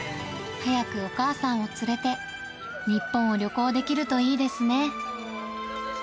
早くお母さんを連れて、日本を旅行できるといいですね。